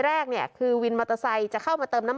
แล้วก็มาเป็นคลิปโชคต่อยกันในภาพนี่นะคะ